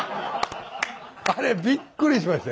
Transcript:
あれびっくりしました